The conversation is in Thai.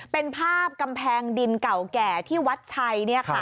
เป็นภาพกำแพงดินเก่าแก่ที่วัดชัย